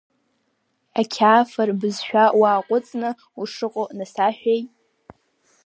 Ақьаафыр бызшәа уааҟәыҵны, ушыҟоу насаҳәеи.